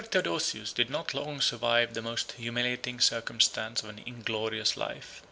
] The emperor Theodosius did not long survive the most humiliating circumstance of an inglorious life.